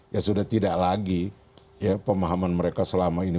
ya sudah tidak lagi pemahaman mereka selama ini